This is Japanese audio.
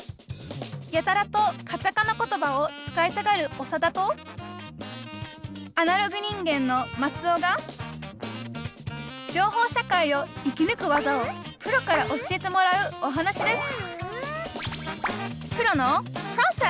やたらとカタカナ言葉を使いたがるオサダとアナログ人間のマツオが情報社会を生きぬく技をプロから教えてもらうお話です